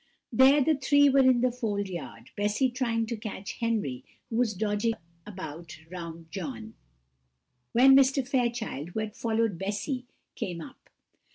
There the three were in the fold yard, Bessy trying to catch Henry, who was dodging about round John, when Mr. Fairchild, who had followed Bessy, came up.